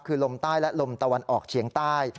คือลมใต้และลมตะวันออกเฉียงใต้